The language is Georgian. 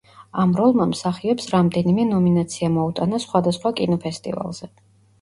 ამ როლმა მსახიობს რამდენიმე ნომინაცია მოუტანა სხვადასხვა კინოფესტივალზე.